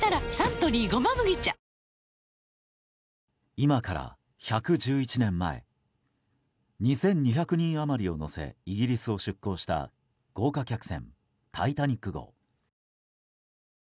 今から１１１年前２２００人余りを乗せイギリスを出港した豪華客船「タイタニック号」。